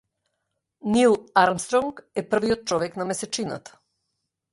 Нил Армстронг е првиот човек на месечината.